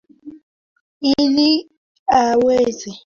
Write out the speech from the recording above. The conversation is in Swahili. ili aweze kupendeza zaidi aweze kupendeza zaidi mwili ni